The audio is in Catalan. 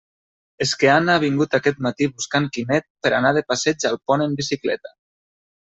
És que Anna ha vingut aquest matí buscant Quimet per a anar de passeig al pont en bicicleta.